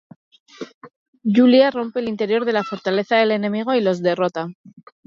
Yulia rompe el interior de la fortaleza del enemigo y los derrota.